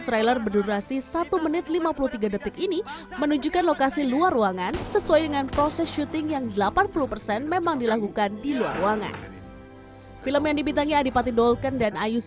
habarkan ke yang lain